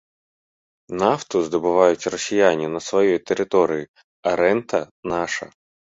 Нафту здабываюць расіяне на сваёй тэрыторыі, а рэнта наша.